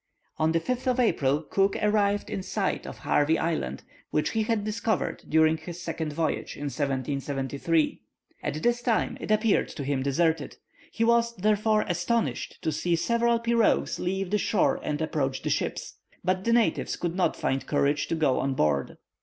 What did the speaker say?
On the 5th of April, Cook arrived in sight of Harvey Island, which he had discovered during his second voyage in 1773. At that time it appeared to him deserted. He was, therefore, astonished to see several pirogues leave the shore and approach the ships. But the natives could not find courage to go on board.